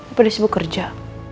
apa disebut kerja